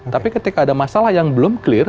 tapi ketika ada masalah yang belum clear